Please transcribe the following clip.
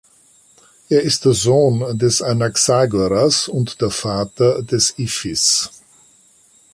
Er ist der Sohn des Anaxagoras und der Vater des Iphis.